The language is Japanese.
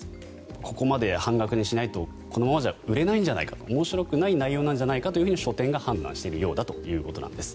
ここまで半額にしないとこのままじゃ売れないんじゃないかと面白くない内容なんじゃないかと書店が判断しているようだということです。